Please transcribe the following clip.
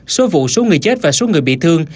số vụ số người chết và số người bị thương